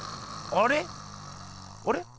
あれ？